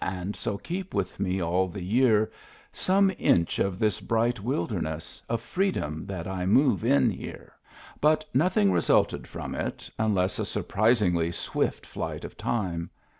And so keep with me all the year Some inch of this bright wilderness Of freedom that I move in here. But nothing resulted from it, unless a surpris ingly swift flight of time.